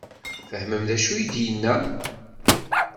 Tfehmem d acu i d-yenna?